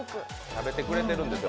食べてくれてるんです